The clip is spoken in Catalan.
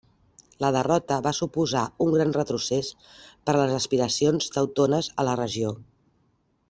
La derrota va suposar un gran retrocés per a les aspiracions teutones a la regió.